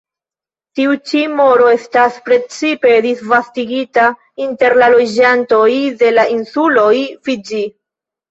Tiu ĉi moro estas precipe disvastigita inter la loĝantoj de la insuloj Fidĝi.